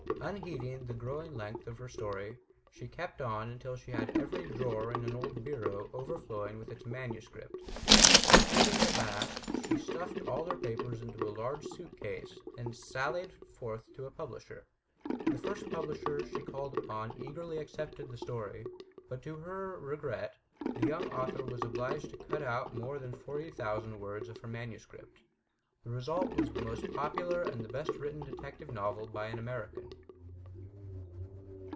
Unheeding the growing length of her story, she kept on until she had every drawer of an old bureau overflowing with its manuscript. Concluding at last, she stuffed all her papers into a large suit case, and sallied forth to a publisher. The first publisher she called upon eagerly accepted the story; but to her regret, the young author was obliged to cut out more than forty thousand words of her manuscript. But the result was FURTHER ADVICES 315 the most popular and the best written detective novel by an American.